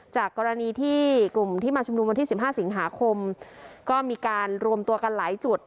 จากกรณีที่กลุ่มที่มาชุมนุมวันที่๑๕สิงหาคมก็มีการรวมตัวกันหลายจุด